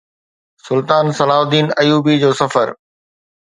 سلطان Salahuddin Ayyubi جو سفر